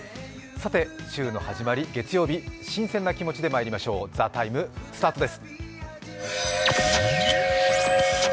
さて週の始まり、月曜日新鮮な気持ちでまいりましょう、「ＴＨＥＴＩＭＥ，」スタートです。